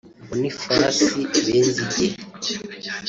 Boniface Benzinge